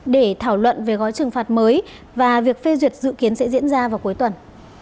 để thảo luận về gói trừng phạt mới và việc phê duyệt dự kiến sẽ diễn ra vào cuối tuần